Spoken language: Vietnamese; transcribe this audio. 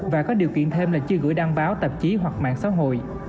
và có điều kiện thêm là chưa gửi đăng báo tạp chí hoặc mạng xã hội